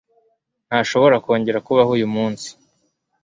Ntashobora kongera kubaho uyu munsi